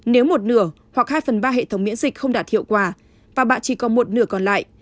nếu một nửa hoặc hai phần ba hệ thống miễn dịch không đạt hiệu quả và bạn chỉ còn một nửa còn lại